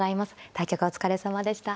対局お疲れさまでした。